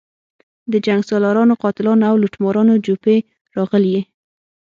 د جنګسالارانو، قاتلانو او لوټمارانو جوپې راغلي.